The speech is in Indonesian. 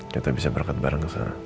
kita bisa berkat bareng